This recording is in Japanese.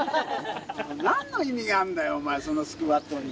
なんの意味があるんだよ、そのスクワットに。